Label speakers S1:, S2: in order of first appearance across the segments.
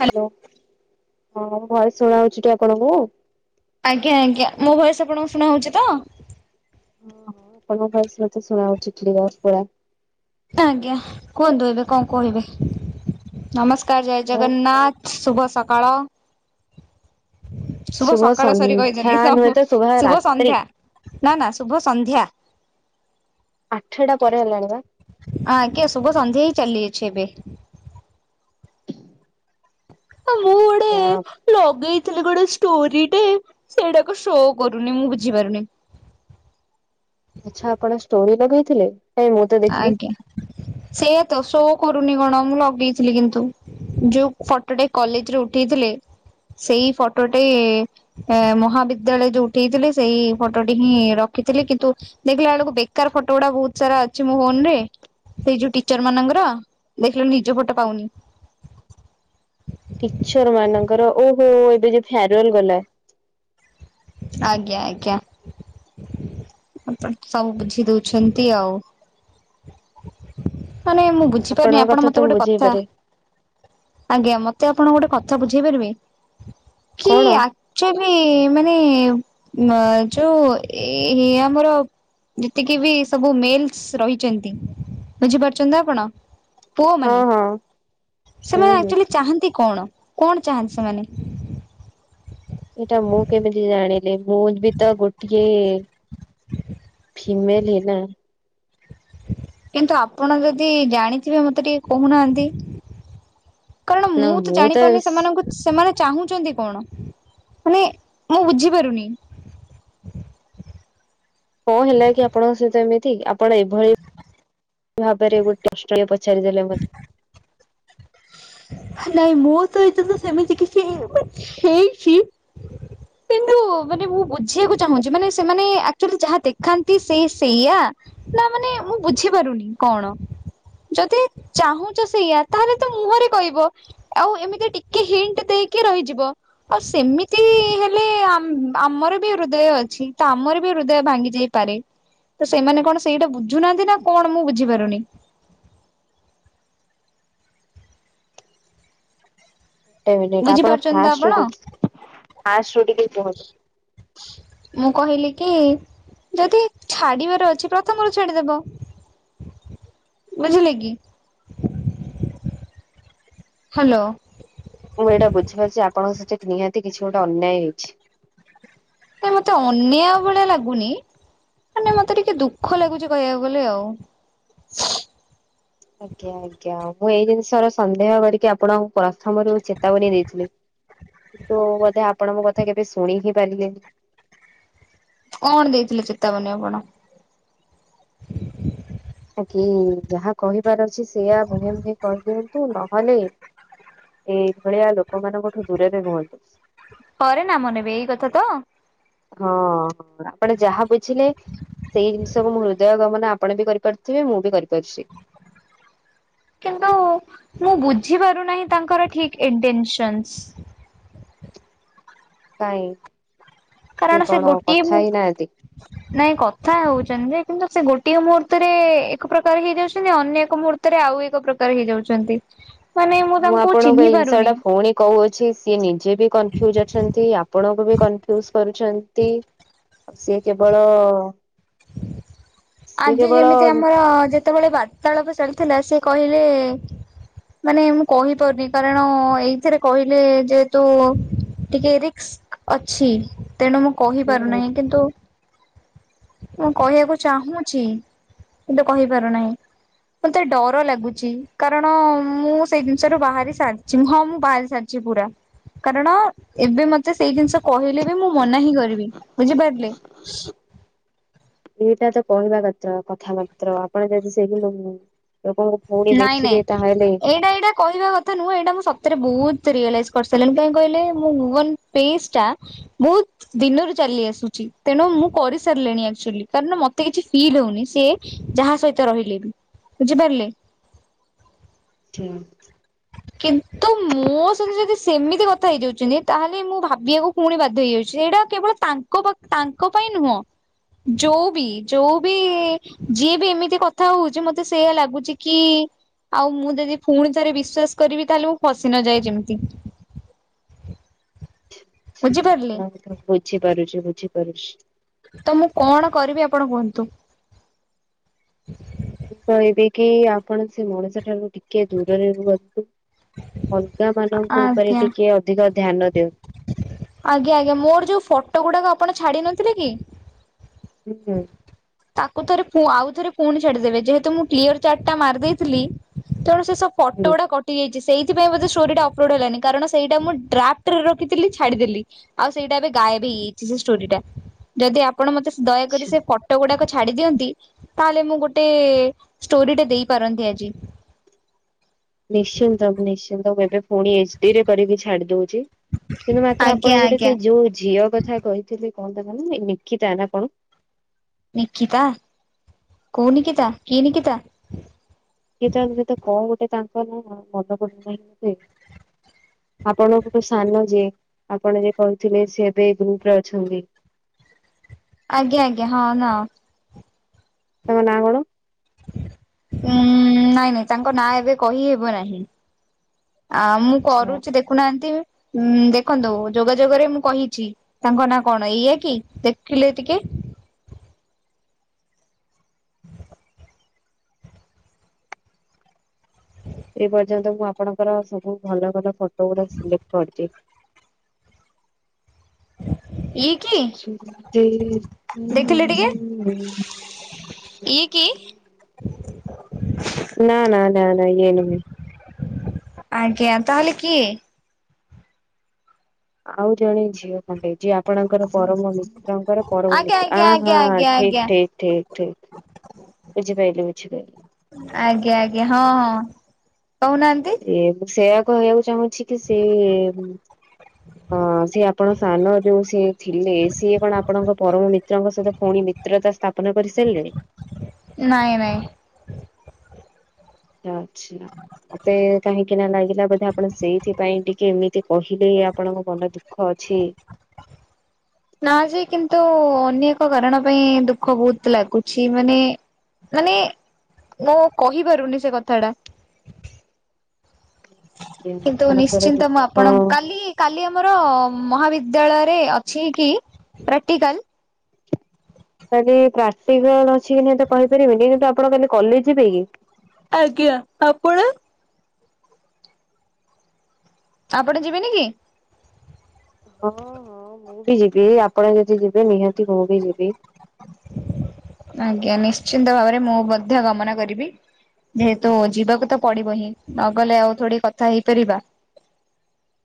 S1: Hello
S2: hello ହଁ voice ଶୁଣାଉଚି ତ ଆପଣଙ୍କୁ?
S1: ଆଜ୍ଞା ଆଜ୍ଞା ମୋ ଭଏସ୍‌ ଆପଣଙ୍କୁ ଶୁଣା ହୋଉଚି ତ?
S2: ଓଁ ହଁ ଆପଣଙ୍କ ଭଏସ୍‌ ମତେ ଶୁଣା ହଉଚି ପୁରା।
S1: ଆଜ୍ଞା କୁହନ୍ତୁ ଏବେ କଣ କହିବେ? ନମସ୍କାର ଜୟ
S2: ଆଉ
S1: ଜଗନ୍ନାଥ। ଶୁଭ ସକାଳ। ଶୁଭ ସକାଳ ସରି
S2: ସନ୍ଧ୍ୟା
S1: କହିଦେଲି
S2: ନୁହେଁ
S1: ସବୁ
S2: ତ
S1: ଶୁଭ
S2: ରାତ୍ରି।
S1: ସନ୍ଧ୍ୟା ନା ନା ଶୁଭ ସନ୍ଧ୍ୟା।
S2: ଆଠଟା ପରେ ହବବା।
S1: ଆଁ ଆଜ୍ଞା ଶୁଭ ସନ୍ଧ୍ୟା ହିଁ ଚାଲି ଅଛି ଏବେ। ହ ମୁଁ
S2: ହଁ।
S1: ଲଗେଇଥିଲେ ଗୋଟେ ଷ୍ଟୋରି ଟେ ସେଇଟାକ ଶୋ କରୁନି ମୁଁ ବୁଝିପାରୁନି।
S2: ଆଚ୍ଛା ଆପଣ ଷ୍ଟୋରି ଲଗେଇଥିଲେ? କାଇଁ ମୁଁ ତ ଦେଖିନି।
S1: ଆଜ୍ଞା ସେ ତ ଶୋ କରୁନି କଣ ମୁଁ ଲଗେଇଥିଲି କିନ୍ତୁ। ଯୋଉ ଫଟୋଟେ କଲେଜରେ ଉଠେଇଥିଲେ ସେଇ ଫଟୋଟେ ଏ ମହାବିଦ୍ୟାଳୟ ଯୋଉ ଉଠେଇଥିଲେ ସେଇ ଫଟୋଟି ହିଁ ରଖିଥିଲି କିନ୍ତୁ। ଦେଖିଲା ବେଳକୁ ବେକାର ଫଟୋ ଗୁଡା ବୋହୁତ ସାରା ମୋ ଫୋନ ରେ ସେଇ ଯୋଉ ଟିଚର ମାନଙ୍କର ଦେଖିଲେ ନିଜ ଫଟୋ ପାଉନି।
S2: ଟିଚର ମାନଙ୍କର ଓହୋ ଏବେ ଯୋ ଫୋରୱଲ ଗଲା।
S1: ଆଜ୍ଞା ଆଜ୍ଞା। ଆପଣ ସବୁ କିଛି ଦଉଛନ୍ତି ଆଉ ମାନେ ମୁଁ ବୁଝିପାରୁନି
S2: ଆପଣଙ୍କ
S1: ଆପଣ
S2: କଥା ତ
S1: ମତେ
S2: ମୁଁ
S1: ଗୋଟେ କଥା
S2: ବୁଝେଇପାରେ।
S1: ଆଜ୍ଞା ମତେ ଆପଣ ଗୋଟେ କଥା ବୁଝେଇ ପାରିବେ? କି
S2: କଣ
S1: ଆକଚୁଆଲି ମାନେ ଯୋଉ ଏ ଆମର ଯେତିକି ବି ସବୁ ମେଲ୍ସ ରହିଛନ୍ତି ବୁଝିପାରୁଛନ୍ତି ତ ଆପଣ?
S2: ହଁ
S1: ପୁଅମାନେ,
S2: ହଁ ହୁଁ
S1: ସେମାନେ
S2: ହୁଁ
S1: ଆକ୍ଚୁଆଲି ଚାହାନ୍ତି କଣ? କଣ ଚାହାନ୍ତି ସେମାନେ?
S2: ଏଇଟା ମୁଁ କେମିତି ଜାଣିଲି। ମୁଁ ବି ତ ଗୋଟିଏ ଫିମେଲ ହିଁ ନା।
S1: କିନ୍ତୁ ଆପଣ ଯଦି ଜାଣିଥିବେ ମତେ ଟିକେ କହୁନାହାନ୍ତି। କାରଣ ମୁଁ ତ ଜାଣିପାରୁନି ସେମାନଙ୍କୁ ସେମାନେ ଚାହୁଁଛନ୍ତି କଣ? ମାନେ ମୁଁ ବୁଝିପାରୁନି।
S2: କଣ ହେଲା କି ଆପଣଙ୍କ ସହିତ ଏମିତି? ଆପଣ ଏଭଳି ଭାବେରେ ଗୋଟେ [unintelligible] ପଚାରି ଦେଲେ ମ
S1: ନାଇଁ ମୋ ସହିତ ତ ସେମିତି କିଛି ହେଇଛି। କିନ୍ତୁ ମାନେ ମୁଁ ବୁଝିବାକୁ ଚାହୁଁଛି ମାନେ ସେମାନେ ଆକ୍ଚୁଆଲି ଯାହା ଦେଖାନ୍ତି ସେ ସେଇଆ ନା ମାନେ ମୁଁ ବୁଝିପାରୁନି କଣ? ଯଦି ଚାହୁଁଛ ସେଇଆ ତାହେଲେ ତ ମୁହଁରେ କହିବ। ଆଉ ଏମିତି ଟିକେ ହିଣ୍ଟ୍ ଦେଇକି ରହିଯିବ। ଆଉ ସେମିତି ହେଲେ ଆମ୍-ଆମର ବି ହୃଦୟ ଅଛି ତ ଆମର ବି ହୃଦୟ ଭାଙ୍ଗିଯାଇ ପାରେ। ତ ସେମାନେ କଣ ସେଇଟା ବୁଝୁନାହାନ୍ତି ନା କଣ ମୁଁ ବୁଝିପାରୁନି।
S2: ଗୋଟାଏ ମିନିଟ୍ ଆପଣ
S1: ବୁଝିପାରୁଛନ୍ତି ତ
S2: ଫାଷ୍ଟରୁ
S1: ଆପଣ
S2: ଟି ଫାଷ୍ଟରୁ ଟିକେ କୁହନ୍ତୁ।
S1: ମୁଁ କହିଲି କି ଯଦି ଛାଡିବାର ଅଛି ପ୍ରଥମରୁ ଛାଡିଦେବ। ବୁଝିଲେ କିି? ହାଲୋ।
S2: ମୁଁ ଏଇଟା ବୁଝିପାରୁଛି ଆପଣଙ୍କ ସହିତ ନିହାତି କିଛି ଗୋଟେ ଅନ୍ୟାୟ ହେଇଛି।
S1: ନାଇଁ ମତେ ଅନ୍ୟାୟ ଭଳିଆ ଲାଗୁନି। ମାନେ ମତେ ଟିକେ ଦୁଃଖ ଲାଗୁଛି କହିବାକୁ ଗଲେ ଆଉ।
S2: [unintelligible] ଆଜ୍ଞା ଆଜ୍ଞା ମୁଁ ଏଇ ଜିନିଷର ସନ୍ଦେହ କରିକି ଆପଣଙ୍କୁ ପ୍ରଥମରୁ ଚେତାବନୀ ଦେଇଥିଲି। କିନ୍ତୁ ବୋଧେ ଆପଣ ମୋ କଥା କେବେ ଶୁଣି ହିଁ ପାରିଲେନି।
S1: କଣ ଦେଇଥିଲେ ଚେତାବନୀ ଆପଣ?
S2: ଆ କି ଯାହା କହିବାର ଅଛି ସେଇଆ ମୁହେଁ ମୁହେଁ କରିଦିଅନ୍ତୁ ନହଲେ ଏଇଭଳିଆ ଲୋକମାନଙ୍କଠୁ ଦୂରରେ ରୁହନ୍ତୁ।
S1: ପରେ ନାମ ନେବେ ଏଇ କଥା ତ।
S2: ହଁ ଆପଣ ଯାହା ବୁଝିଲେ ସେଇ ଜିନିଷକୁୁ ମୁଁ ହୃଦୟ ଗମନ ଆପଣ ବି କରିପାରୁଥିବେ ମୁଁ ବି କରିପାରୁଛି।
S1: କିନ୍ତୁ ମୁଁ ବୁଝି ପାରୁନାହିଁ ତାଙ୍କର ଠିକ୍ ଇଣ୍ଟେନସନ୍ସ।
S2: କାଇଁ?
S1: କାରଣ ସେ
S2: କଣ
S1: ଗୋଟିଏ
S2: କଥା
S1: ମୁଁ
S2: ହେଇନାହାନ୍ତି?
S1: ନାଇଁ କଥା ହଉଛନ୍ତି ଯେ, କିନ୍ତୁ ସେ ଗୋଟିଏ ମୁହୂର୍ତ୍ତରେ ଏକ ପ୍ରକାର ହେଇଯାଉଛନ୍ତି ଅନ୍ୟ ଏକ ମୁହୂର୍ ର୍ତ୍ତରେ ଆଉ ଏକ ପ୍ରକାର ହେଇଯାଉଛନ୍ତି। ମାନେ ମୁଁ ତାଙ୍କୁ ଚିହ୍ନି ପାରୁନି।
S2: କହୁ ଅଛି ସିଏ ନିଜେ ବି କନଫ୍ୟୁଜ ଅଛନ୍ତି। ଆପଣଙ୍କୁ ବି କନଫ୍ୟୁଜ କରୁଛନ୍ତି। ସିଏ କେବଳ ସିଏ
S1: ଆଜି
S2: କେବଳ
S1: ଯେମିତି ଆମର ଯେତେବେଳେ ବାର୍ତ୍ତାଳାପ ଚାଲିଥିଲା ସେ କହିଲେ ମାନେ ମୁଁ କହିପାରୁନି କାରଣ ଏଇଥିରେ କହିଲେ ଯେହେତୁ ଟିକେ ରିକ୍ସ ଅଛି। ତେଣୁ ମୁଁ
S2: ହୁଁ
S1: କହିପାରୁନାହିଁ, କିନ୍ତୁ ମୁଁ କହିବାକୁ ଚାହୁଁ ଛି କିନ୍ତୁ କହିପାରୁନାହିଁ। ମତେ ଡର ଲାଗୁଛି କାରଣ ମୁଁ ସେଇ ଜିନିଷରୁ ବାହାରି ସାରିଛି। ହଁ ମୁଁ ବାହାରି ସାରି ଛି ପୁରା। କାରଣ ଏବେ ମତେ ସେଇ ଜିନିଷ କହିଲେ ବି ମୁଁ ମନା ହିଁ କରିବି ବୁଝିପାରିଲେ?
S2: ଏଇଟା ତ କହିବା [unintelligible] ତ୍ର କଥା ମାତ୍ର ଆପଣ ଯଦି ସେହି [unintelligible] ଲୋକଙ୍କୁ ପୁଣି
S1: ନାଇଁ ନାଇଁ
S2: ଦେଖିବେ ତାହେଲେ
S1: ଏଇଟା ଏଇଟା କହିବା କଥା ନୁହଁ ଏଇଟା ମୁଁ ସତେରେ ବହୁତ ରିଏଲାଇଜ କରିସାରିଲଣି। କାଇଁ କହିଲେ ମୁଁ ମୁଭ୍ ଅନ୍ ପେସଟା ବହୁତ୍ ଦିନରୁ ଚାଲି ଆସୁଛି। ତେଣୁ ମୁଁ କରି ସାରିଲିଣି, ଆକ୍ଚୁଆଲି କାରଣ ମତେ କିଛି ଫିଲ୍ ହଉନି ସିଏ। ଯାହା ସହିତ ରହିଲେ ବି ବୁଝିପାରିଲେ।
S2: ହା।
S1: କିନ୍ତୁ ମୋ ସହିଙ୍ଗ ଯଦି ସେମିତି କଥା ହେଇଯାଉଛନ୍ତି ତାହେଲେ ମୁଁ ଭାବିବାକୁ ପୁଣି ବାଧ୍ୟ ହେଇଯାଉଛି ସେଇଟା କେବଳ ତାଙ୍କ ତାଙ୍କ ପାଇଁ ନୁହଁ। ଯୋଉ ବି ଯୋଉ ବି ଯିଏ ବି ଏମିତି କଥା ହଉଛି ମତେ ସେ ଲାଗୁଛି, କି ଆଉ ମୁଁ ଯଦି ପୁଣି ଥରେ ବି ବିସ୍ଵାସ କରିବି ତାହେଲେ ମୁଁ ଫସି ନଯାଏ ଯେମିତି। ବୁଝିପାରିଲେ
S2: ବୁଝିପାରୁଛି ବୁଝିପାରୁଛି।
S1: ତ ମୁଁ କଣ କରିବି ଆପଣ କୁହନ୍ତୁ?
S2: ମୁ କ ଏବେ କି ଆପଣ ସେ ମଣିଷ ଠାରୁ ଟିକେ ଦୂରରେ ରୁହନ୍ତୁ। ଅଲଗା ମାନଙ୍କ ଉପରେ
S1: ଆଜ୍ଞା
S2: ଟିକେ ଅଧିକ ଧ୍ୟାନ ଦିଅନ୍ତୁ।
S1: ଆଜ୍ଞା ଆଜ୍ଞା। ମୋର ଯୋଉ ଫଟୋ ଗୁଡ଼ାକ ଆପଣ ଛାଡି ନଥିଲେ କି?
S2: ହୁଁ ହୁ
S1: ତାକୁ ଥରେ ଆଉ ଥରେ ପୁଣି ଛାଡିଦେବେ। ଯେହେତୁ ମୁଁ କ୍ଲିୟର ଚାର୍ଟ ଟା ମାରି ଦେଇଥିଲି ତେଣୁ ସେ ସବୁ। ଫଟୋ
S2: ହୁଁ
S1: ଗୁଡା କଟି। କଟିଯାଇଛି ସେଇଥିପାଇବେଧେ ଷ୍ଟୋରିଟା ଅପଲୋଡ ହେଲାନଣି। କାରଣ ସେଇଟ ମୁ ଡ୍ରାଫଟ ରେ ରଖଥିଲି ଛାଡ଼ିଦେଲି। ଆଉ ସେଇଟା ଏବେ ଗାଏବ ହେଇାଇଛି ସେ ଇସଟେରିଟା। ଯଦି ଆପଣ ମତେ ଦୟାକରି
S2: ଆଛା।
S1: ସେ। ପଫଟ ଗୁଡାକ ଛାଡି ଦିଅନ୍ତି। ତାହେଲେ ମୁଁ ଗୋଟେ ଷ୍ଟୋରିଟେ ଦେଇ ପାରନ୍ତି ଆଜି।
S2: ନିଶ୍ଚିନ୍ତ ମୁଁ ନିଶ୍ଚିନ୍ତ ମୁଁ ଏବେ ପୁଣି ଏଚ ଡିରେ କରିକି ଛାଡି ଦଉଛି। କିନ୍ତୁ ମାତ୍ର
S1: ଆଜ୍ଞା
S2: ଆପଣ ଗୋଟେ
S1: ଆଜ୍ଞା
S2: ସେଇ ଯୋଉ ଝିଅ କଥା କହିଥିଲେ କଣ ତା ନାମ ନିକିତା ନା କଣ।
S1: ନିକିତା କୋଉ ନିକିତା କିଏ ନିକିତା?
S2: କିଏ ତେ ତ କହ ଗୋଟେ ତାଙ୍କ ନା ମନେ ପଡୁ ନାହିଁ ମୁ ସେ। ଆପଣ ଗୋଟେ ସାନ ଯିଏ। ଆପଣ ଯ କହୁଥିଲେ ସେ ଏବେଇ ଗ୍ରୁପ ରେ ଅଛନ୍ତି।
S1: ଆଜ୍ଞା ଆଜ୍ଞା ହଁ ନା।
S2: ତମ ନାଁ କଣ?
S1: ଉଁ ନାଇଁ ନାଇଁ ତାଙ୍କ ନାଁ ଏବେ କହିହବ ନାହିଁ। ଆ ମୁଁ
S2: ଆଚ୍ଛା।
S1: କରୁଛି ଦେଖୁନାହାନ୍ତି ଉ ଦେଖନ୍ତୁ ଯୋଗାଯୋଗରେ ମୁଁ କହିଛି। ତାଙ୍କ ନାଁ କଣ ଏଇଆା କି ଦେଖିଲେ ଟିକେ? ହଁ
S2: ସେ ପର୍ଯ୍ୟନ୍ତ ମୁଁ ଆପଣଙ୍କର ସବୁ ଭଲ ଭଲ ଫଟୋ ଗୁଡା ସିଲେକ୍ଟ କରିଛି।
S1: ଏ [inaudible]
S2: ସୁ [inaudible]
S1: ଦେଖିଲେ ଟିକେ। ଇଏ କି [inaudible]
S2: ନା ନା ନା ନା ୟେ ନୁହେଁ।
S1: ଆଜ୍ଞା। ତାହେଲେ କିଏ?
S2: ଆଉ ଜଣେ ଝିଅ ଖଣ୍ଡେ। ଯିଏ ଆପଣଙ୍କର ପରମିତ୍ର। ତାଙ୍କର ପରମ
S1: ଆଜ୍ଞା
S2: ମିତ୍ର।
S1: ଆଜ୍ଞା
S2: ହଁ
S1: ଆଜ୍ଞା ଆଜ୍ଞା
S2: ଠିକ
S1: ଆଜ୍ଞା
S2: ଠିକ! ଠିକ ଠିକ। ବୁଝିପାରଲିି ବୁଝିପାରଲିି।
S1: ଆଜ୍ଞା ଆଜ୍ଞା। ହଁ ହଁ କହୁନାହାନ୍ତି।
S2: ସେଆ କହିବାକୁ ଚାହୁଁଛି କି ସେ-
S1: ହଁ [inaudible]
S2: ହଁ ସେି ଆପଣ ସାନ ଯୋଉ ସେ ଥିଲେ। ସିଏ କଣ ଆପଣଙ୍କ ପରମ ମିତ୍ରଙ୍କ ସହିତ ପୁଣି ମିତ୍ରତା ସ୍ଥାପନ କରିସାରିଲେ।
S1: ନାଇଁ ନାଇଁ।
S2: ଆଚ୍ଛା। ମତେ କାହିଁକି ନା ଲାଗିଲା, ବୋଧେ ଆପଣ ସେଇଥିପାଇଁ ଟିକେ ଏମିତି କହିଲେ ଆପଣଙ୍କ ମନ ଦୁଃଖ ଅଛି।
S1: ନା ଯେ କିନ୍ତୁ ଅନ୍ୟ ଏକ କାରଣ ପାଇଁ ଦୁଃଖ ବହୁତ ଲାଗୁଛି ମାନେ। ମାନେ ମୁଁ କହିପାରୁନି ସେ କଥାଟା।
S2: କି
S1: କିନ୍ତୁ
S2: ଆପଣଙ୍କର
S1: ନିଶ୍ଚିନ୍ତ
S2: ଦୁଃଖ
S1: ମୁଁ ଆପଣ କାଲି କାଲି ଆମର ମହାବିଦ୍ୟାଳୟରେ ଅଛି କି ପ୍ରାକ୍ଟିକାଲ
S2: କାଲି ପ୍ରାକ୍ଟିକାଲ ଅଛି କି ନିହାତି କହିପାରିବେନି କିନ୍ତୁ ଆପଣ କାଲି କଲେଜ ଯିବେ କି
S1: ଆଜ୍ଞା ଆପଣ? ଆପଣେ ଯିବେନି କି
S2: ହଁ ହଁ ମୁଁ ବି ଯିବି ଆପଣ ଯଦି ଯିବେ ନିହାତି ମୁଁ ବି ଯିବି
S1: ଆଜ୍ଞା! ନିଶ୍ଚିନ୍ତ ଭାବରେ ମୁଁ ମଧ୍ୟ ଗମନ କରିବି। ଯେହେତୁ ଯିବାକୁ ତ ପଡିବ ହିଁ ନଗଲେ ଆଉ ଥୋଡ଼ି କଥା ହେଇପାରିବା। [inaudible]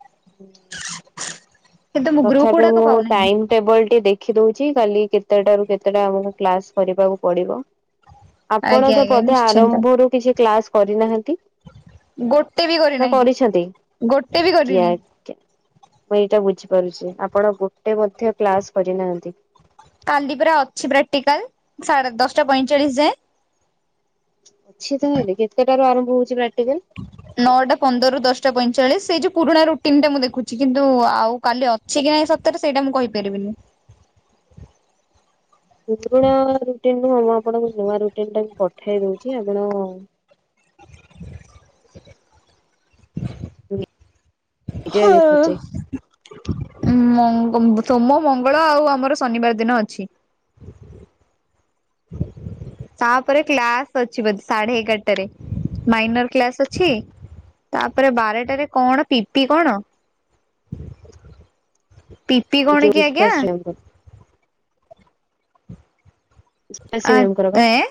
S1: କିନ୍ତୁ ମୁଁ ଗ୍ରୁପ
S2: ତଥାପି
S1: ଗୁଡାକ
S2: ମୁଁ
S1: ପାଉନାହିଁ
S2: ଟାଇମ ଟେବଲ ଟି ଦେଖି ଦଉଛି କାଲି କେତେଟା ରୁ କେତେଟା ଆମକୁ କ୍ଲାସ କରିବାକୁ ପଡିବ। ଆପଣ
S1: ଆଜ୍ଞା
S2: ତ
S1: ଆଜ୍ଞା
S2: ପଧେ
S1: ନିଶ୍ଚିନ୍ତ।
S2: ଆରମ୍ଭରୁ କିଛି କ୍ଲାସ କରିନାହାନ୍ତି।
S1: ଗୋଟେ ବି
S2: [inaudible] ନାଁ
S1: କରିନାହିଁ
S2: କରିଛନ୍ତି
S1: ଗୋଟେ ବି
S2: [inaudible] ଜ୍ଞା!
S1: କରିନି
S2: ମୁଁ ଏଇଟା ବୁଝିପାରୁଛି। ଆପଣ ଗୋଟେ ମଧ୍ୟ କ୍ଲାସ କରିନାହାନ୍ତି।
S1: କାଲି ପରା ଅଛି ପ୍ରାକ୍ଟିକାଲ ସାଢେ ଦଶଟା ପଇଁଚାଳିଶ ଯାଏଁ।
S2: ଛି ତାଁହେଲେ କେତେଟାରୁ ଆରମ୍ଭ ହଉଛି ପ୍ରାକ୍ଟିକାଲ
S1: ନଅଟା ପନ୍ଦରରୁ ଦଶଟା ପଇଁଚାଳିଶ ସେଇ ଯୋଉ ପୁରୁଣା ରୁଟିନ ଟା ମୁଁ ଦେଖୁଛି କିନ୍ତୁ ଆଉ କାଲି ଅ ସେ କିଆ ଇଁ ସତରେ ସେଇଟା ମୁଁ କହିପାରିବିନି
S2: ପୁରୁଣା ରୁଟିନ ମୁଁ ଆପଣଙ୍କୁ ନୂଆ ରୁଟିନ ଟା ପଠେଇ ଦଉଛି ଆପଣ
S1: [inaudible]
S2: ନିଜେ ଆଗେ ଖୋଜେ
S1: ହଁ ଉ ମଙ୍ଗ ସୋମ ମଙ୍ଗଳ ଆଉ ଆମର ଶନିବାର ଦିନ ଅଛି। [inaudible] ତାପରେ କ୍ଲାସ ଅଛି ବୋଧେ ସାଢେ ଏଗାରଟାରେ ମାଇନର କ୍ଲାସ ଅଛି ତାପରେ ବାରଟାରେ କଣ ପିପି କଣ? ପିପି
S2: ନିଜେ
S1: କଣ କି ଆଜ୍ଞା?
S2: ପୁଷ୍ପାଶ୍ରୀ ମ୍ୟାମଙ୍କର ପୁଷ୍ପାଶ୍ରୀ
S1: ଆ
S2: ମ୍ୟାମଙ୍କର ବା
S1: ଟା A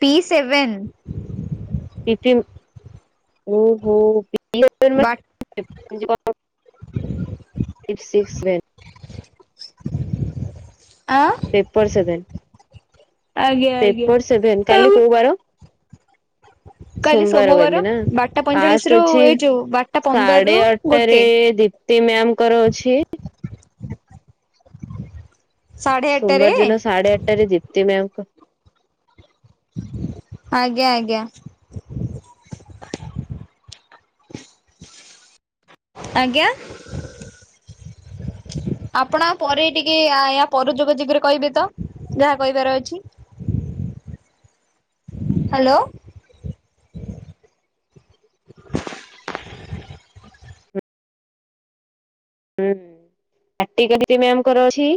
S1: P seven
S2: P T M ଓହୋ
S1: ବାଟ
S2: [unintelligible] ଏଇଟ୍ ସିକ୍ସ ଭେ [unintelligible]
S1: ଆଁ
S2: ପେପର୍ସ ଦେ।
S1: ଆଜ୍ଞା ଆଜ୍ଞା
S2: ପେପର ସେଭେନ୍।
S1: ଆଉ
S2: କାଲି କୋଉ ବାର?
S1: କାଲି
S2: ସୋମବାର ଗଲି ନା
S1: ବାରଟା ପଇଁଚାଳିଶ
S2: ଫାଷ୍ଟ
S1: ରୁ
S2: ଅଛି
S1: ଏଇ ଯୋଉ ବାରଟା ପନ୍ଦରରୁୁ
S2: ସାଢେ
S1: ଗୋଟେ।
S2: ଆଠଟା--ରେ ଦି ତି ମ୍ୟାମ୍ ଙ୍କର ଅଛି।
S1: ସାଢେ ଆଠଟାରେ
S2: ସୋମବାର ଦିନ ସାଢେ ଆଠଟାରେ ଦୀପ୍ତି ମ୍ୟାମ୍ ଙ୍କ
S1: ଆଜ୍ଞା! ଆଜ୍ଞା! ଆଜ୍ଞା! ଆପଣ ପରେ ଟିକେ ଆୟା ପର ଯୋଗ ଯଗରେ କହିବେ ତ ଯାହା କହିବାର ଅଛି। [inaudible] ହାଲୋ [inaudible]
S2: ହୁଁ [inaudible] ଆଟିକାଲି ଯେଉ ମେମ୍ ଙ୍କର ଅଛି।